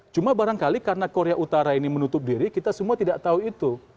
cuma barangkali karena korea utara ini menutup diri kita semua tidak tahu itu